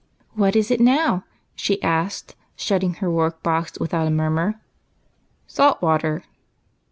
" What is it now ?" she asked, shutting her work box without a murmur. " Salt water."